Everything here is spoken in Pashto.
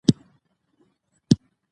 لغمان یو زرغون او ښکلی ولایت ده.